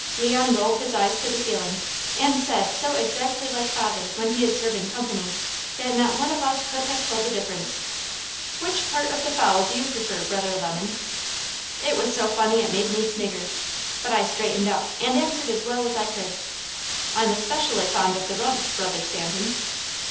Leon rolled his eyes to the ceiling and said so exactly like father when he is serving company that not one of us could have told the difference: "Which part of the fowl do you prefer, Brother Lemon?" It was so funny it made me snigger, but I straightened up and answered as well as I could: "I'm especially fond of the rump, Brother Stanton."